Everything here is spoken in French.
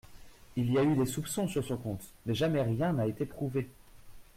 il y a eu des soupçons sur son compte, mais jamais rien n’a été prouvé